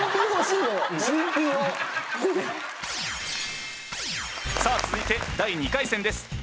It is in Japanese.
続いて第２回戦です。